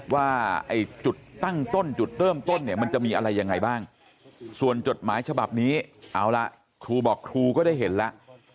ว่าจุดตั้งต้นจุดเริ่มต้นเนี่ยมันจะมีอะไรยังไงบ้างส่วนจดหมายฉบับนี้เอาละครูบอกครูก็ได้เห็นแล้ว